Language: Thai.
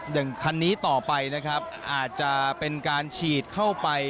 อย่างคันนี้ต่อไปนะครับอาจจะเป็นการฉีดเข้าไป